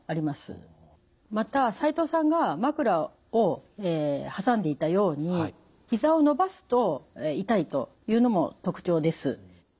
また齋藤さんが枕を挟んでいたようにひざを伸ばすと痛いというのも特徴です。